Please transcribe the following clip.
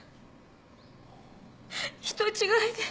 人違いで。